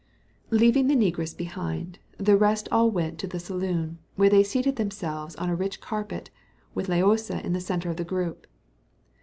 Leaving the negress behind, the rest all went to the saloon, where they seated themselves on a rich carpet, with Loaysa in the centre of the group.